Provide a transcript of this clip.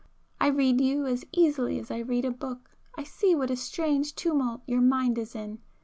I read you as easily as I read a book,—I see what a strange tumult your mind is in!